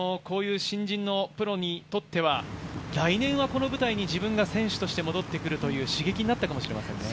こういう新人のプロにとっては、来年はこの舞台に自分が選手として戻ってくるという刺激になったかもしれませんね。